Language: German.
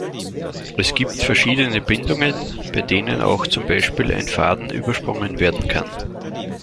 Es gibt verschiedene Bindungen, bei denen auch zum Beispiel ein Faden übersprungen werden kann.